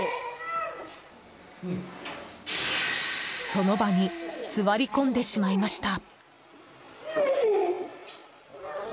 その場に座り込んでしまいました。